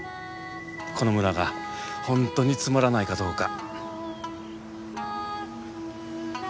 この村が本当につまらないかどうか。